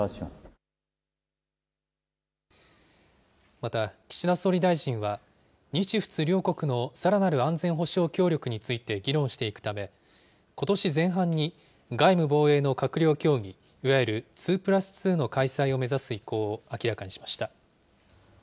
また、岸田総理大臣は、日仏両国のさらなる安全保障協力について議論していくため、ことし前半に、外務・防衛の閣僚協議、いわゆる２プラス２の開催を目指す意向を明らかにしました。